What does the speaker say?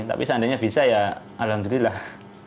tapi seandainya bisa ya alhamdulillah